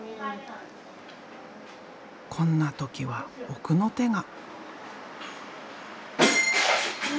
こんな時は奥の手が。